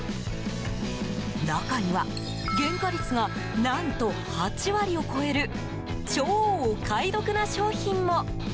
中には原価率が何と８割を超える超お買い得な商品も。